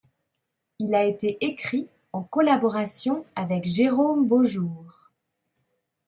Il a été écrit en collaboration avec Jérôme Beaujour.